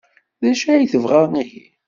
D acu ay tebɣa ihi?